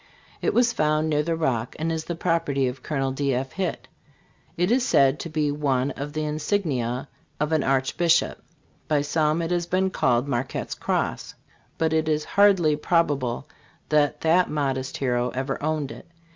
It was found near the Rock, and is the property of Col. D. F. Hitt. It is said to be one of the insignia of an arch bishop. By some it has been called Marquette s Cross ; but it is hardly probable that that modest hero ever owned it.